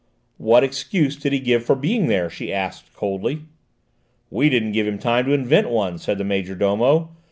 "What excuse did he give for being there?" she asked coldly. "We didn't give him time to invent one," said the major domo.